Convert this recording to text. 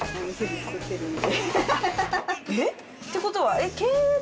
えっ？ってことは経営。